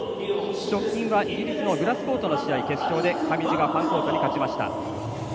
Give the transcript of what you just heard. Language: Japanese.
直近はイギリスのグラスコートの試合決勝で上地がファンコートに勝ちました。